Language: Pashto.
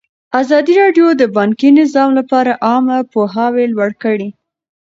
ازادي راډیو د بانکي نظام لپاره عامه پوهاوي لوړ کړی.